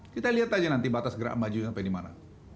kita lihat aja nanti batas gerak maju sampai dimana